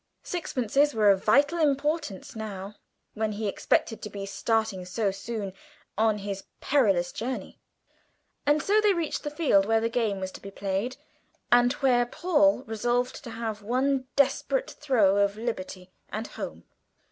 Sixpences were of vital importance now, when he expected to be starting so soon on his perilous journey. And so they reached the field where the game was to be played, and where Paul was resolved to have one desperate throw for liberty and home.